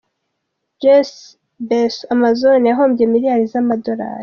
Jeff Bezos - Amazon: yahombye Miliyari z’amadolari.